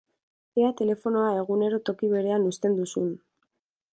Ea telefonoa egunero toki berean uzten duzun!